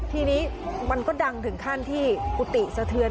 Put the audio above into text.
ทีนี้มันก็ดังถึงขั้นที่กุฏิสะเทือน